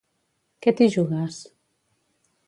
Què t'hi jugues?